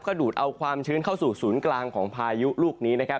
ก็ดูดเอาความชื้นเข้าสู่ศูนย์กลางของพายุลูกนี้นะครับ